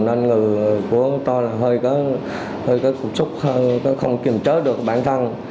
nên người của tôi hơi có khổ chốc không kiềm chế được bản thân